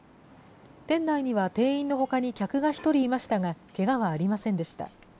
店内には店員のほかに客が１人いましたが、けがはありませんでした。